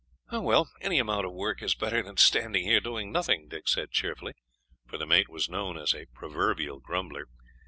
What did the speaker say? "Ah, well! any amount of work is better than standing here doing nothing," Dick said cheerfully, for the mate was known as a proverbial grumbler.